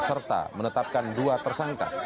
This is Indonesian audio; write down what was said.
serta menetapkan dua tersangka